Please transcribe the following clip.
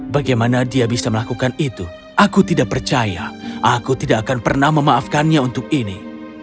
bagaimana dia bisa melakukan itu aku tidak percaya aku tidak akan pernah memaafkannya untuk ini